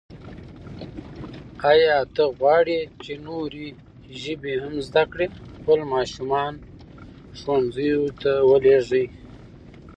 آیا ته غواړې چې نورې ژبې هم زده کړې؟ خپل ماشومان ښوونځیو ته ولېږئ.